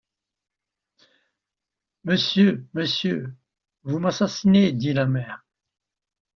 Monsieur, monsieur, vous m’assassinez! dit la mère.